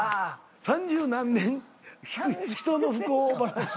３０何年人の不幸話を。